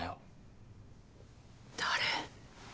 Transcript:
誰？